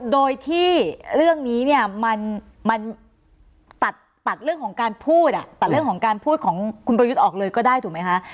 โดยที่เรื่องนี้มันตัดเรื่องของการพูดของคุณประยุทธ์ออกเลยก็ได้ถูกไหมคะ